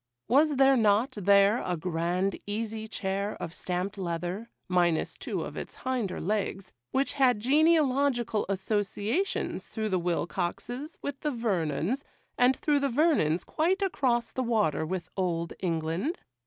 Was there not there a grand easy chair of stamped leather, minus two of its hinder legs, which had genealogical associations through the Wilcoxes with the Vernons, and through the Vernons quite across the water with Old England?